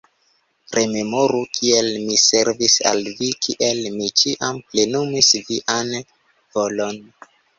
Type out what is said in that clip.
Rememoru, kiel mi servis al vi, kiel mi ĉiam plenumis vian volon.